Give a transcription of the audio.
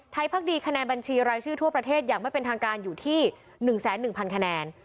พักดีคะแนนบัญชีรายชื่อทั่วประเทศอย่างไม่เป็นทางการอยู่ที่๑๑๐๐คะแนน